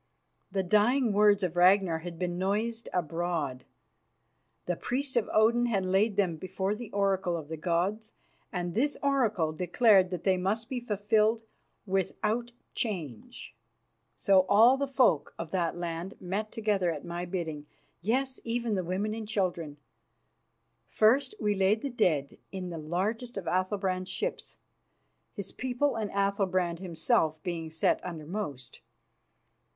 The dying words of Ragnar had been noised abroad. The priest of Odin had laid them before the oracle of the gods, and this oracle declared that they must be fulfilled without change. So all the folk of that land met together at my bidding yes, even the women and the children. First we laid the dead in the largest of Athalbrand's ships, his people and Athalbrand himself being set undermost.